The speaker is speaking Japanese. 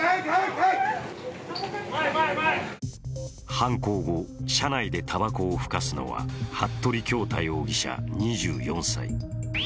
犯行後、車内でたばこをふかすのは服部恭太容疑者２４歳。